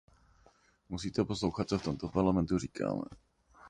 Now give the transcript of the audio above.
Musíte poslouchat, co v tomto Parlamentu říkáme.